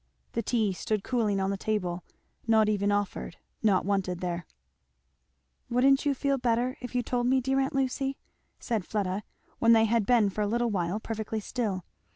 The tea stood cooling on the table, not even offered; not wanted there. "Wouldn't you feel better if you told me, dear aunt Lucy?" said Fleda, when they had been for a little while perfectly still.